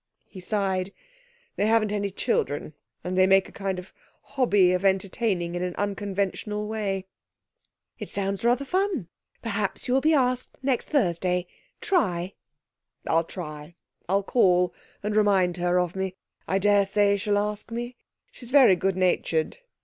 He sighed. 'They haven't any children, and they make a kind of hobby of entertaining in an unconventional way.' 'It sounds rather fun. Perhaps you will be asked next Thursday. Try.' 'I'll try. I'll call, and remind her of me. I daresay she'll ask me. She's very good natured.